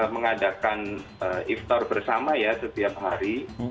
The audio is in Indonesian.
mengadakan iftar bersama ya setiap hari